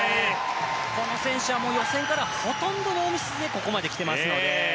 この選手は予選からほとんどノーミスでここまで来ていますので。